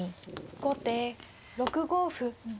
後手６五歩。